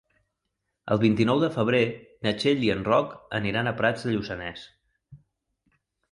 El vint-i-nou de febrer na Txell i en Roc aniran a Prats de Lluçanès.